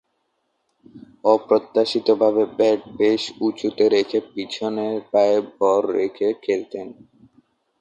অপ্রত্যাশিতভাবে ব্যাট বেশ উঁচুতে রেখে পিছনের পায়ে ভর রেখে খেলতেন।